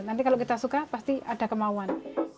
nanti kalau kita suka pasti ada kemauan